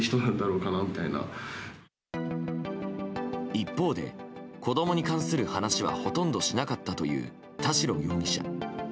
一方で、子供に関する話はほとんどしなかったという田代容疑者。